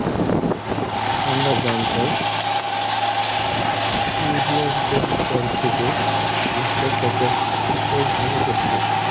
আমরা জানতাম রিবলসডেলের পর থেকে স্টার ক্যাচার বেশ ভালো করছে।